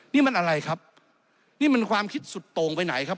นี่มันอะไรครับนี่มันความคิดสุดโต่งไปไหนครับ